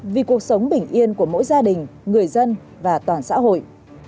vì cuộc sống bình yên của mỗi gia đình người dân và toàn xã hội